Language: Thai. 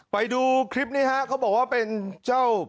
ไปดูคลิปนี้ฮะเขาบอกว่าเป็นเจ้า